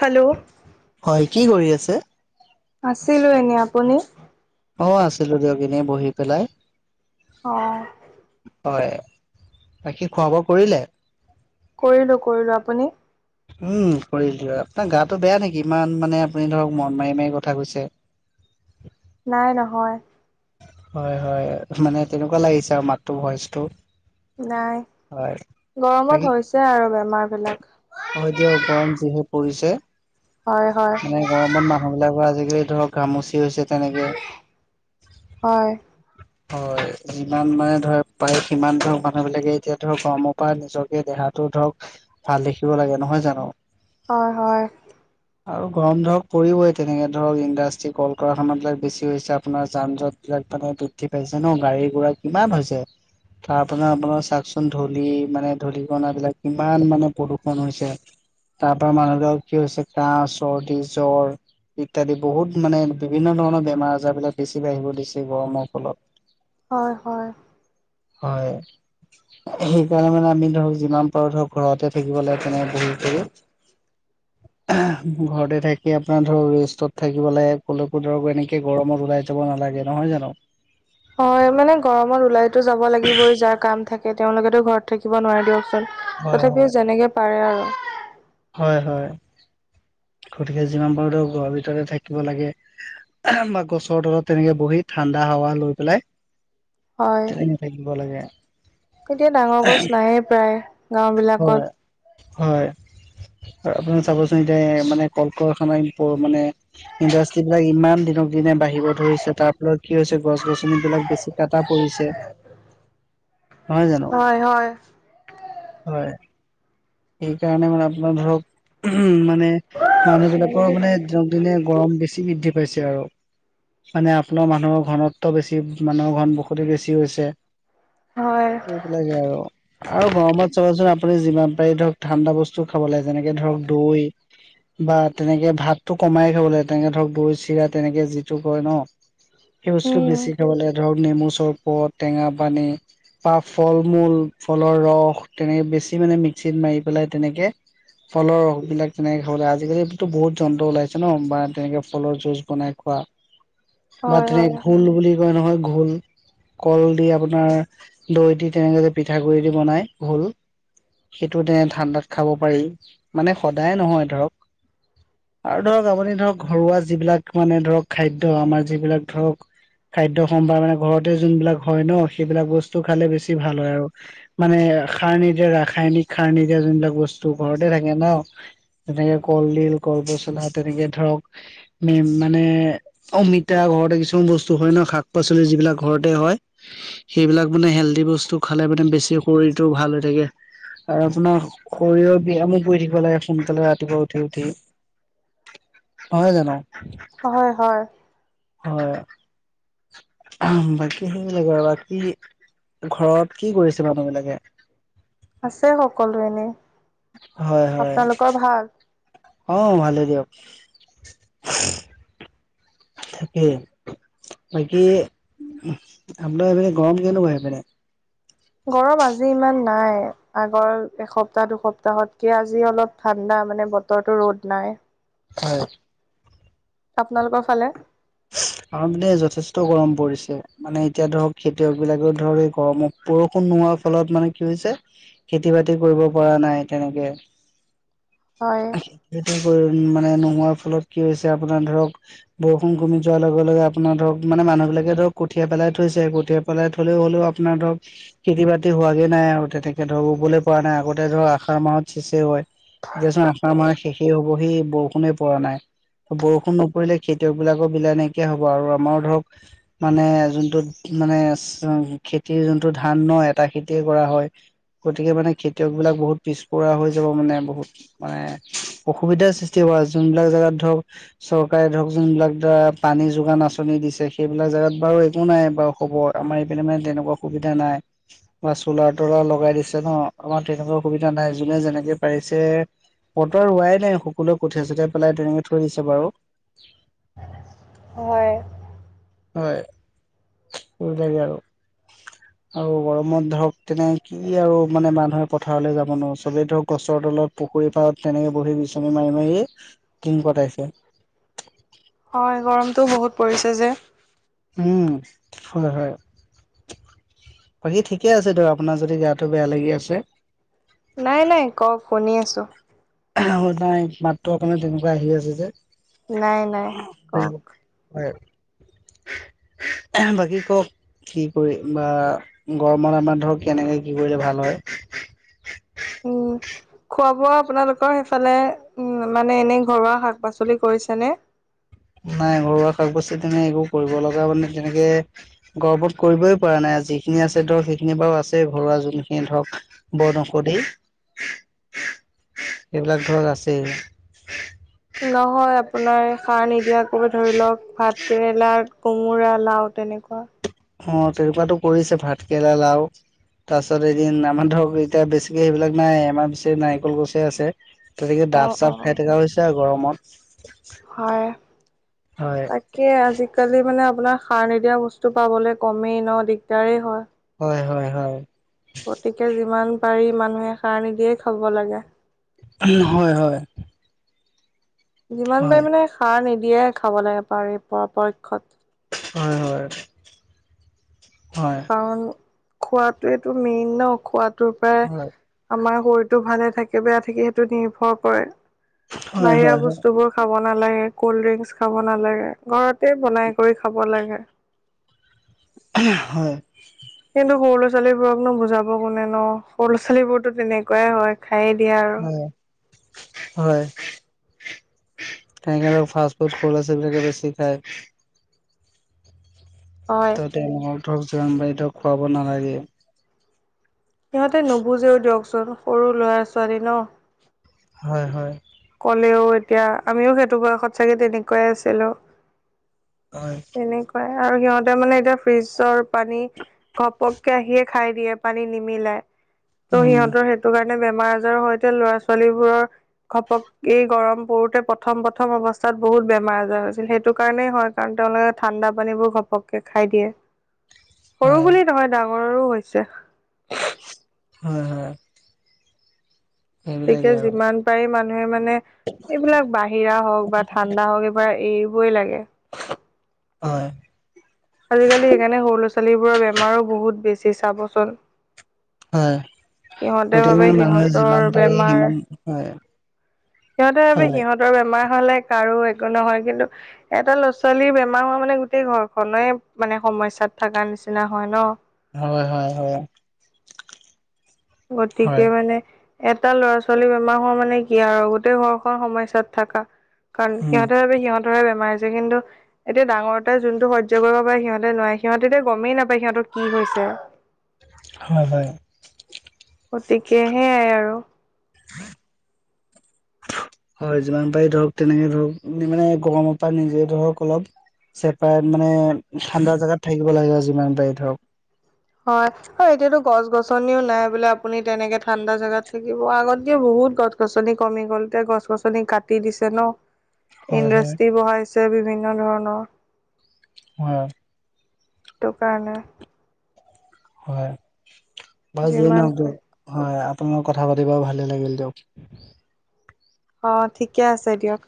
Hello হয় কি কৰি আছে? আছিলোঁ এনে আপুনি? অ, আছিলোঁ দিয়ক এনেই বহি পেলায়। অ', হয় বাকী খোৱা -বোৱা কৰিলে? কৰিলোঁ -কৰিলোঁ আপুনি? উম, কৰিলোৱে আপোনাৰ গাটো বেয়া নেকি ইমান মানে আপুনি ধৰক মন মাৰি -মাৰি কথা কৈছে? নাই নহয়। হয় হয়, মানে তেনেকুৱা লাগিছে আৰু মাতো ভইচটো। নাই, হয় বাকী গৰমত হৈছে আৰু বেমাৰ বিলাক। হয় দিয়ক গৰম যিহে পৰিছে। হয় হয়। মানে গৰমত মানুহবিলাকৰ আজিকালি ধৰক ঘামুচি হৈছে তেনেকে। হয়। হয় যিমান মানে ধৰ পায় সিমান ধৰক মানুহবিলাকে এতিয়া ধৰ গৰমৰ পৰা নিজকে দেহাত ত'ধৰক ভাল দেখিব লাগে নহয় জানো? হয় হয়। [inaudible] আৰু গৰম ধৰক পৰিবই তেনেকে ধৰক ইণ্ডাষ্ট্ৰি, কল -কাৰখানাত লৈ বেছি হৈছে আপোনাৰ যান জঁট এইবিলাক মানে উঠি পাইছে ন গাড়ী গোৰা কিমান হৈছে? তাৰপৰা আপোনাৰ চাওকচোন ধূলি মানে ধূলিকনাবিলাক কিমান মানে প্ৰদূষন হৈছে? তাৰ পৰা মানুহবিলাকৰ কি হৈছে কাহ, চৰ্দি, জ্বৰ। ইত্যাদি বহুত মানে বিভিন্ন ধৰণৰ বেমাৰ আজাৰ বিলাক বেছি বাঢ়িব ধৰিছে গৰমত। ফলত হয় হয়। হয়। সেইকাৰণে মানে আমি ধৰক যিমান পাৰো ধৰক ঘৰতে থাকিব লাগে তেনে বহি কৰি। [unintelligible] ঘৰতে থাকি আপোনাৰ ধৰ ৰেষ্টত থাকিব লাগে কলেকো ধৰক এনেকে গৰমত ওলাই। যাব নালাগে, নহয় জানো? হয়, মানে গৰমত ওলাইতো যাব লাগিবই যাৰ কাম থাকে তেওঁলোকেতো ঘৰত থাকিব নোৱাৰে দিয়কচোন। হয় হয়। তথাপিও যেনেকে পাৰে আৰু। হয় হয়, গতিকে যিমান পাৰোতে ঘৰৰ ভিতৰতে থাকিব লাগে। বা, গছৰ তলত তেনেকে বহি ঠাণ্ডা হাৱা লৈ পেলাই। হয় তেনেকে থাকিব লাগে। নায়ে প্ৰায়। গাওঁ বিলাকত হয় হয়। আৰু আপুনি চাবচোন এতিয়া মানে কলকৰখানা ইম্প মানে। ইণ্ডাষ্ট্ৰী বিলাক ইমান দিনক দিনে বাঢ়িব ধৰিছে, তাৰ ফলত কি হৈছে গছ গছনি বিলাক বেছি কটা পৰিছে। নহয় জানো। হয় হয়। হয়, সেইকাৰণে মানে আপোনাৰ ধৰক উহো মানে। মানুহ বিলাকৰ মানে দিনক দিনে গৰম বেছি বৃদ্ধি পাইছে আৰু। মানে আপোনাৰ মানুহৰ ঘনত্ব বেছি মানুহৰ ঘন বসতি বেছি হৈছে। হয়। সেইবিলাকে আৰু, আৰু গৰমত চাবাচোন আপুনি যিমান পাৰি ধৰক ঠাণ্ডা বস্তু। বস্তু খাব লাগে যেনেকে ধৰক দৈ। বা, তেনেকে ভাতটো কমাই খাব লাগে তেনেকে ধৰক দৈ চিৰা তেনেকে যিটো কয় ন। সেই বস্তু উম বেছি খাব লাগে ধৰক নেমু চৰবত। টেঙা পানী বা ফল মূল‌ ফলৰ ৰস। তেনেকে বেছি মানে মিক্সিত মাৰি পেলাই তেনেকে। ফলৰ ৰস বিলাক তেনেকে খাব লাগে, আজিকালিটোত বহুত যন্ত্ৰ ওলাইছে ন বা তেনেকে ফলৰ জুচ বনাই খোৱা। বা হয় তেনে হয় ঘোল বুলি নহয় নহয় ঘোল, কল দি আপোনাৰ দৈ দি তেনেকে যে পিঠাগুৰি দি বনায়। ঘোল সেইটো তেনে ঠাণ্ডাত খাব পাৰি মানে সদায় নহয় ধৰক। আৰু ধৰক আপুনি ধৰক ঘৰুৱা যিবিলাক মানে ধৰক খাদ্য আমাৰ যিবিলাক ধৰক। খাদ্য সম্ভাৰ মানে ঘৰতে যোন বিলাক হয় ন সেইবিলাক বস্তু খালে বেছি ভাল হয় আৰু মানে সাৰ নিদিয়া ৰাসায়নিক সাৰ নিদিয়া যোনবিলাক বস্তু ঘৰতে থাকে ন। তেনেকে কলডিল, কল পচলা তেনেকে ধৰক মেম মানে। অমিতা ঘৰতে কিছুমান বস্তু হয় ন শাক পাচলি যিবিলাক ঘৰতে হয় সেইবিলাক মানে হেল্ডি বস্তু খালে মানে বেছি শৰীৰটোও ভাল হৈ থাকে আৰু আপোনাৰ শৰীৰৰ ব্যায়ামো পৰি থাকিব লাগে সোনকালে ৰাতিপুৱা উঠি উঠি নহয় জানো। হয় হয়। হয়। বাকী সেইবিলাকে আৰু বাকী ঘৰত কি কৰিছে মানুহ বিলাকে। আছে সকলো এনে, হয় হয় আপোনালোকৰ ভাল। অ। ভালেই দিয়ক। থাকেই, বাকী আপোনালোকৰ সেই পিনে গৰম কেনেকুৱা সেইপিনে ‌? গৰম আজি ইমান নাই, আগৰ এসপ্তাহ দুসপ্তাহত কে আজি অলপ ঠাণ্ডা মানে ব। বতৰটো ৰ'দ নাই। হয়। আপোনালোকৰ ফালে? আমাৰ পিনে যথেষ্ট গৰম পৰিছে। মানে এতিয়া ধৰক খেতিয়ক বিলাকে ধৰ এই গৰমত বৰষুণ নোহোৱাৰ ফলত মানে কি হৈছে - খেতি বাতি কৰিব পৰা নাই তেনেকে হয় মানে নোহোৱাৰ ফলত কি হৈছে আপোনাৰ ধৰক ব কমি যোৱাৰ লগে লগে আপোনাৰ ধৰক মানে মানুহবিলাকে ধৰক কঠিয়া পেলাই থৈছে কঠীয়া পেলাই থলেও হলেও আপোনাৰ ধৰক খেতি বাতি হোৱাগে নাই আৰু তেনেকে ধৰ ৰুবলৈ পৰা নাই আগতে ধৰক আহাৰ মাহত চেচে হয় এতিয়াচোন আহাৰ মাহ শেষেই হবহি বৰষুণে পৰা নাই বৰষুণ নপৰিলে খেতি খেতিয়ক বিলাকৰ বিলাই নাইকিয়া হব আৰু আমাৰ ধৰক মানে যোনটো মানে খেতিৰ যোনটো ধান ন এটা খেতিয়ে কৰা হয়। গতিকে মানে খেতিয়ক বিলাক বহুত পিছপৰা হৈ যাব মানে বহুত মানে অসুবিধাৰ সৃষ্টি কৰা যোনবিলাক জেগাত ধৰক চৰকাৰে ধৰক, যোনবিলাক ধৰা পানী যোগান আঁচনি দিছে সেইবিলাক জেগাত বাৰু একো নাই বাৰু হ'ব আমাৰ এইপিনে মানে তেনেকুৱা সুবিধা নাই, বা চৌলাৰ তৌলাৰ লগাই দিছে ন আমাৰ তেনেকুৱা সুবিধা নাই যোনে যেনেকে পাৰিছে বতৰ হোৱাই নাই সকলোৱে কঠীয়া চঠিয়াই পেলাই তেনেকে থৈ দিছে বাৰু হয়। হয় সেই বিলাকে আৰু আৰু গৰমত ধৰক তেনে কি আৰু মানে মানুহে পথাৰলৈ যাব নো চবে ধৰক গছৰ তলত পুখুৰীৰ পাৰত তেনেকে বহি বিচনী মাৰি মাৰিয়ে দিন কটাইছিলে। হয় গৰমটো বহুত পৰিছে যে উম হয় হয় বাকী ঠিকে আছে ধ আপোনাৰ যদি গাটো বেয়া লাগি আছে। নাই নাই কওক শুনি আছোঁ নাই মাতটো কাৰণে তেনেকুৱা আহি আছে যে নাই নাই কওক হয় বাকী কওক কি কৰি বা গৰমত আমাৰ ধৰক কেনেকে কি কৰিলে ভাল হয়, [unintelligible] উম খোৱা বোৱা আপোনালোকৰ সেইফালে উ মানে এনেই ঘৰুৱা শাক পাচলি কৰিছেনে? নাই ঘৰুৱা শাক পাচলি তেনে একো কৰিব লগা মানে তেনেকে গৰমত কৰিবই পৰা নাই যিখিনি আছে ধৰক সেইখিনি বাৰু আছে ঘৰুৱা যোনখিনি ধৰক বন ঔষধেই এইবিলাক ধৰক আছে। নহয় আপোনাৰ সাৰ নিদিয়াকো ধৰি লওক ভাত কেৰেলা, কোমোৰা, লাউ তেনেকুৱা অ তেনেকোৱাতো কৰিছে ভাত কেৰেলা, লাউ তাৰপিছত এদিন আমাৰ ধৰক এতিয়া বেছিকে সেইবিলাক নাই আমাৰ বেছি নাৰিকল গছে আছে। তৌ হেৰিয়ে অ ডাফ অ চাফ খাই থকা হৈছে আৰু গৰমত। হয় হয় তাক তাকে আজিকালি মানে আপোনাৰ সাৰ নিদিয়া বস্তু পাবলৈ কমেই ন দিগদাৰেই হয়। হয় হয় হয়। গতিকে যিমান পাৰি মানুহে সাৰ নিদিয়ে খাব লাগে। হয় হয় যিমান পাৰি হয় মানে সাৰ নিদিয়ে খাব লাগে পাৰি পৰা পক্ষত। হয় হয়। হয়। কাৰণ খোৱাটোৱেইটো মেইন ন খোৱাটোৰ পৰাই আমাৰ শৰীৰটো ভালে থাকে বেয়া থাকে সেইটো নিৰ্ভৰ কৰে হয় বাহিয়া হয় বস্তুবোৰ খাব নালাগে ক'ল্ড ড্ৰিংকচ খাব নালাগে ঘৰতে বনাই কৰি খাব লাগে। হয়। কিন্তু সৰু ল'ৰা ছোৱালীবোৰকনো বুজাব কোনে ন সৰু ল' ছোৱালীবোৰতো তেনেকুৱাই হয়। খাইয়ে দিয়ে আৰু। হয় হয়। তেনেকা লোক ফাষ্ট ফুড সৰু ল'ৰা ছোৱালী বিলাকে বেছি খায়। হয় ত তেওঁলোকক ধৰক যিমান পাৰি ধৰক খুৱাব নালাগে। সিহঁতে নুবুজেও দিয়কচোন সৰু ল'ৰা ছোৱালী ন। হয় হয়। ক'লেও এতিয়া আমিও সেইটো বয়সত চাগে তেনেকুৱাই আছিলোঁ। হয়। তেনেকুৱাই আৰু সিহঁতে মানে এতিয়া ফ্ৰিজৰ পানী। ঘপককে আহিয়ে খাই দিয়ে পানী নিমিলাই। ত' উম। সিহঁতৰ সেইটো কাৰণে বেমাৰ আজাৰো সৈতে ল'ৰা ছোৱালীবোৰৰ। ঘপকি গৰম পৰোঁতে প্ৰথম প্ৰথম অৱস্থাত বহুত বেমাৰ আজাৰ হৈছিল সেইটো কাৰণেই হয় কাৰণ তেওঁলোকে ঠাণ্ডা পানীবোৰ ঘপককে খাই দিয়ে। [inaudible] সৰু বুলি নহয় ডাঙৰৰো হৈছে। হয় হয়। গতিকে সেইবিলাকে আৰু। যিমান পাৰি মানুহে মানে, এইবিলাক বাহিৰা হওঁক বা ঠাণ্ডা হওঁক এইবাৰ এই। ভয় লাগে। হয়। আজিকালি সেইকাৰণে সৰু ল'ৰা ছোৱালীবোৰৰ বেমাৰো বহুত বেছি চাবচোন। হয়। সিহঁতে গতিকে ভাবে মানে মানুহে যিমান সিহঁতৰ পাৰি বেমাৰ সিমান হয়। সিহঁতে ভাবে সিহঁত। হয় সিহঁতৰ বেমাৰ হ'লে কাৰো একো নহয় কিন্তু এটা ল'ৰা ছোৱালীৰ বেমাৰ হোৱা মানে গোটেই ঘৰখনেই মানে সমস্যাত থাকা নিচিনা হয় ন। হয় হয় হয়। গতিকে হয় মানে। এটা ল'ৰা ছোৱালী বেমাৰ হোৱা মানে কি আৰু গোটেই ঘৰখন সমস্যাত থাকা। কাৰণ উম সিহঁতৰ আৰু সিহঁতৰৰে বেমাৰ হৈছে কিন্তু। এতিয়া ডাঙৰতোৱে যোনটো হইজ কৰিব পাৰে সিহঁতে নোৱাৰে সিহঁতে এতিয়া গমেই নাপায় সিহঁত কি হৈছে। হয় হয়। গতিকে সেইয়াই আৰু। [inaudible] হয় যিমান পাৰি ধৰক তেনেকে ধৰক মানে গৰমৰ পৰা নিজে ধৰক অলপ। চেপাৰেট মানে ঠাণ্ডা জাগাত থাকিব লাগে আৰু যিমান পাৰি ধৰক। হয়। হয় এতিয়াতো গছ গছনিও নাই বোলে আপুনি তেনেকে ঠাণ্ডা জাগাত থাকিব আগত কে বহুত গছ। গছ গছনি কমি গ'ল এতিয়া গছ গছনি কাটি দিছে ন [unintelligible] হয় ইণ্ডাষ্ট্ৰী বহাইছে বিভিন্ন ধৰণৰ হয় সেইটো কাৰণে হয়, বা যিয়ে যিমান নহওঁক তো হয় আপোনা লগত কথা পাতিব ভালে লাগিল দিয়ক। অ ঠিকেই আছে দিয়ক।